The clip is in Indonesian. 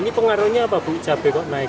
ini pengaruhnya apa bu cabai kok naik